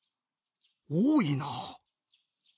多いな。